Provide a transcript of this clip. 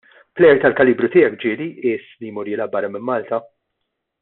Plejer tal-kalibru tiegħek ġieli qies li jmur jilgħab barra minn Malta?